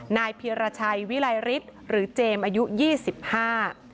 เพียรชัยวิลัยฤทธิ์หรือเจมส์อายุยี่สิบห้า